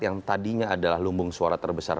yang tadinya adalah lumbung suara terbesar